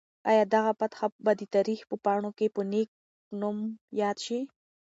آیا دغه فاتح به د تاریخ په پاڼو کې په نېک نوم یاد شي؟